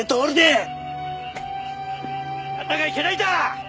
あなたがいけないんだ！